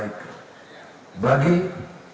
hidupan berbangsa dan bernegara